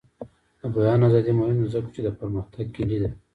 د بیان ازادي مهمه ده ځکه چې د پرمختګ کلي ده.